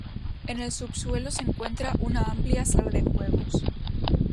En el subsuelo se encuentra una amplia sala de juegos.